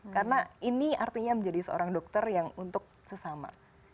karena ini artinya menjadi seorang dokter yang untuk sesama